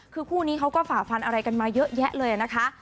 คือคู่นี้เขาก็ฝ่าฟันอะไรกันมาเยอะแยะเลยนะคะ